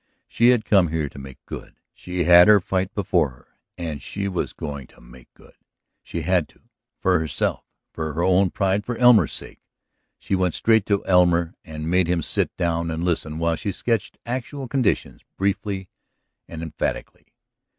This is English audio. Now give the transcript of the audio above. She had come here to make good, she had her fight before her, and she was going to make good. She had to ... for herself, for her own pride, for Elmer's sake. She went straight to Elmer and made him sit down and listen while she sketched actual conditions briefly and emphatically.